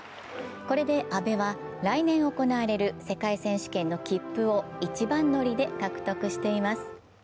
これで阿部は来年行われる世界選手権の切符を一番乗りで獲得しています。